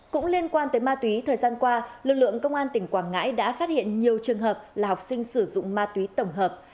cũng liên quan tới ma túy thời gian qua lực lượng công an tỉnh quảng ngãi đã phát hiện nhiều trường hợp là học sinh sử dụng ma túy tổng hợp